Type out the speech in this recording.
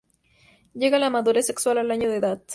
Llega a la madurez sexual al año de edad.